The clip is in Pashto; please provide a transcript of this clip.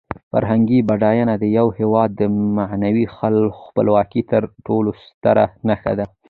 فرهنګي بډاینه د یو هېواد د معنوي خپلواکۍ تر ټولو ستره نښه ده.